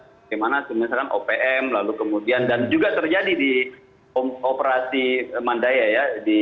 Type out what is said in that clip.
bagaimana opm lalu kemudian dan juga terjadi di operasi mandaya ya